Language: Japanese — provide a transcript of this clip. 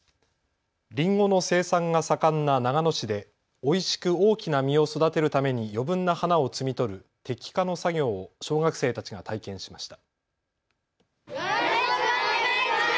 りんごの生産が盛んな長野市でおいしく大きな実を育てるために余分な花を摘み取る摘花の作業を小学生たちが体験しました。